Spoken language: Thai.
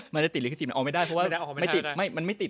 มันจะติดลิขสิทธิมันออกไม่ได้เพราะว่ามันไม่ติด